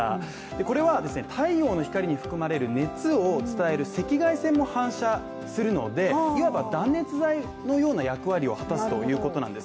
これは太陽の光に含まれる熱を伝える赤外線も反射するのでいわば断熱材のような役割を果たすということなんです。